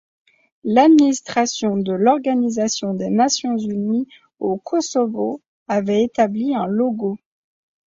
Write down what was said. L'administration de l'Organisation des Nations unies au Kosovo avait établi un logo.